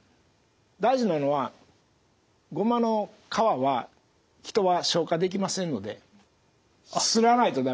大事なのはごまの皮は人は消化できませんのですらないと駄目です。